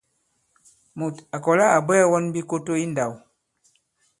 Mùt à kɔ̀la à bwɛɛ̄ wɔn bikoto i ndāw.